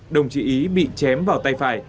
đồng chí ý bị chém vào tay phải